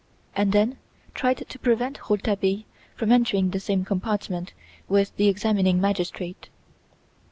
and then tried to prevent Rouletabille from entering the same compartment with the examining magistrate.